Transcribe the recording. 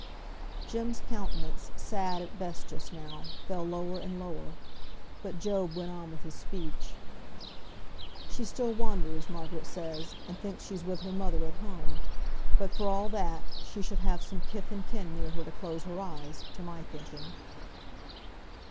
Jem's countenance, sad at best just now, fell lower and lower. But Job went on with his speech. "She still wanders, Margaret says, and thinks she's with her mother at home; but for all that, she should have some kith and kin near her to close her eyes, to my thinking."